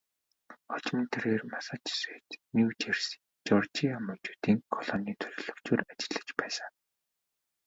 Хожим нь тэрээр Массачусетс, Нью Жерси, Жеоржия мужуудын колонийн төлөөлөгчөөр ажиллаж байсан.